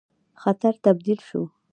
خطر تبدیل شو.